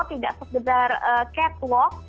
tidak sekedar catwalk